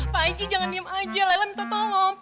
pak haji jangan diem aja lela minta tolong